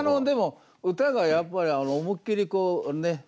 でも歌がやっぱり思いっきりね